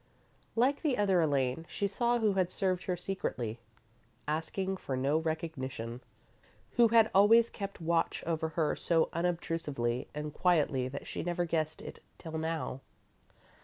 "_ Like the other Elaine, she saw who had served her secretly, asking for no recognition; who had always kept watch over her so unobtrusively and quietly that she never guessed it till now.